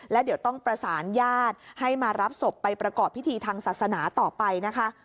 และเดี๋ยวต้องประสานญาติให้มารับศพไปประกอบพิธีทางศาสนาต่อไปนะคะ